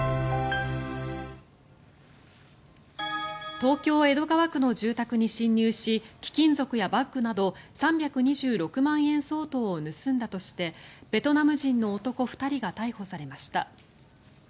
東京・江戸川区の住宅に侵入し貴金属やバッグなど３２６万円相当を盗んだとしてベトナム人の男２人が逮捕されました。